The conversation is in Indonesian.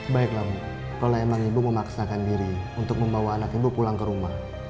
baiklah bu kalau emang ibu memaksakan diri untuk membawa anak ibu pulang ke rumah